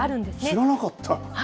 知らなかった。